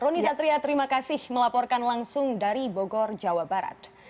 roni satria terima kasih melaporkan langsung dari bogor jawa barat